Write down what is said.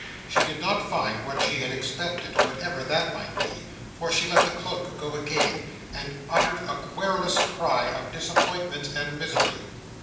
She did not find what she had expected, whatever that might be; for she let the cloak go again, and uttered a querulous cry of disappointment and misery.